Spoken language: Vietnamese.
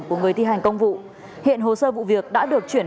của người thi hành công vụ hiện hồ sơ vụ việc đã được chuyển